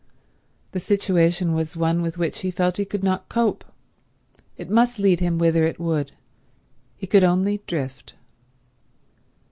The situation was one with which he felt he could not cope. It must lead him whither it would. He could only drift.